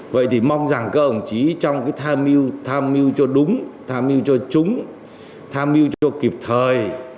vậy thì mong rằng các đồng chí trong tham mưu cho đúng tham mưu cho chúng tham mưu cho kịp thời